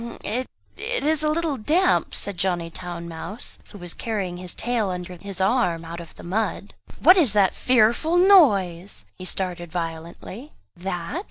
it is a little damp," said Johnny Town mouse, who was carrying his tail under his arm, out of the mud. "What is that fearful noise?" he started violently. "That?"